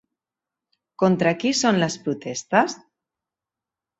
Contra qui són les protestes?